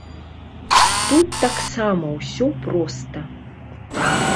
Тут таксама ўсё проста.